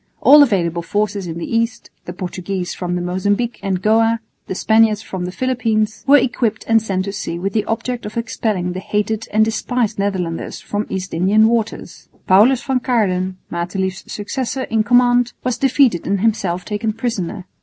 All available forces in the East (the Portuguese from the Mozambique and Goa, the Spaniards from the Philippines) were equipped and sent to sea with the object of expelling the hated and despised Netherlanders from East Indian waters. Paulus van Caerden, Matelief's successor in command, was defeated and himself taken prisoner.